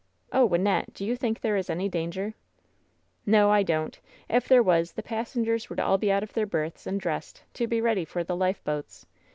"Oh, Wynnette, do you think there is any danger?'' "No, I don't. If there was, the passengers would all be out of their berths and dressed, to be ready for the lifeboats.